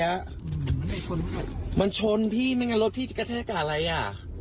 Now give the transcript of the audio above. มันไปชนเขามันชนพี่ไม่งั้นรถพี่จะกระแทกกับอะไรอ่ะ